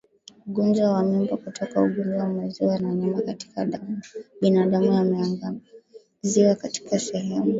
Ugonjwa wa Mimba Kutoka Ugonjwa wa Maziwa na Nyama kwa binadamu yameangaziwa katika sehemu